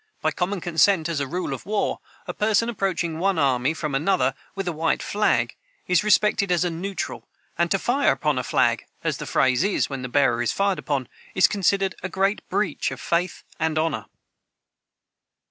By common consent, as a rule of war, a person approaching one army from another, with a white flag, is respected as a neutral; and to "fire upon a flag," as the phrase is when the bearer is fired upon, is considered a great breach of faith and honor.